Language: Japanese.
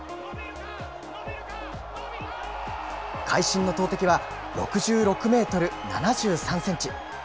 会心の投てきは、６６メートル７３センチ。